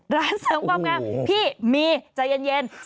เสริมความงามพี่มีใจเย็น